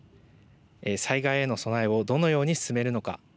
災害への備えをどのように進めるのか。